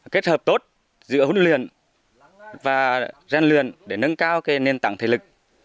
kết hợp tốt giữa huấn luyện và gian luyện để nâng cao nền tảng thể lực